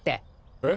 えっ？